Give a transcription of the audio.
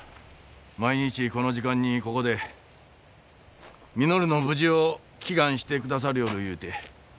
毎日この時間にここで稔の無事を祈願してくださりょうるいうて。